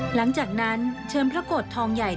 หลังจากนั้นเชิญพระโกรธทองใหญ่